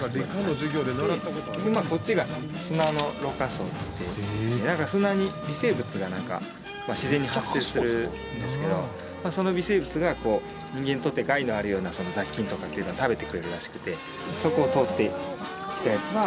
でこっちが砂のろ過装置でなんか砂に微生物が自然に発生するんですけどその微生物が人間にとって害のあるような雑菌とかというのを食べてくれるらしくて。